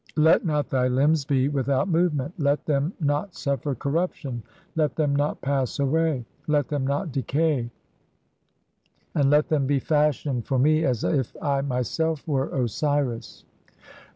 Let not thy limbs be with "out movement ; let them not suffer corruption ; let them not "pass away; let them not decay; and let them be fashioned (3) "for me as if I myself were Osiris."